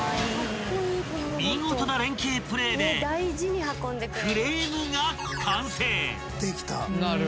［見事な連係プレーでフレームが完成］